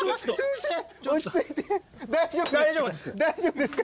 大丈夫ですか？